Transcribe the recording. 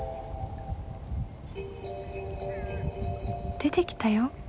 出てきたよ。